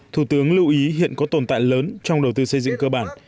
thủ tướng lưu ý hiện có tồn tại lớn trong đầu tư xây dựng cơ bản